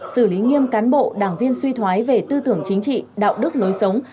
xử lý nghiêm cán bộ đảng viên suy thoái về tư tưởng chính trị đạo đức lối sống